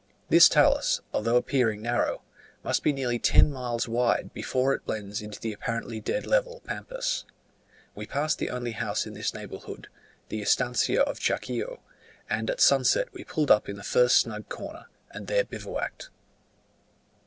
This talus, although appearing narrow, must be nearly ten miles wide before it blends into the apparently dead level Pampas. We passed the only house in this neighbourhood, the Estancia of Chaquaio: and at sunset we pulled up in the first snug corner, and there bivouacked.